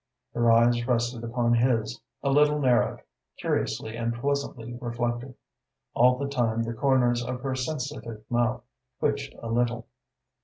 Her eyes rested upon his, a little narrowed, curiously and pleasantly reflective. All the time the corners of her sensitive mouth twitched a little.